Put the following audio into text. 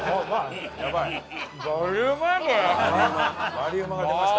「バリうま」が出ました。